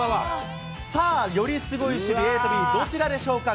さあ、よりすごい守備、ＡとＢ、どちらでしょうか。